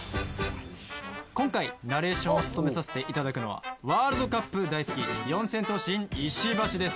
今回、ナレーションを務めさせていただくのはワールドカップ大好き四千頭身・石橋です。